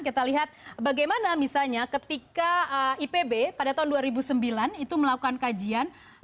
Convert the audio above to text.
kita lihat bagaimana misalnya ketika ipb pada tahun dua ribu sembilan itu melakukan kajian